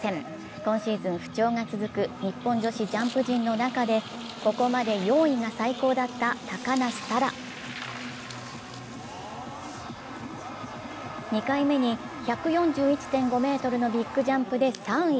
今シーズン不調が続く日本女子ジャンプ陣の中でここまで４位が最高だった高梨沙羅２回目に１４１．５ｍのビッグジャンプで３位。